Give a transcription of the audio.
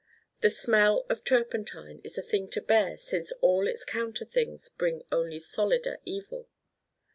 The Smell of Turpentine is a thing to bear since all its counter things bring only solider evil.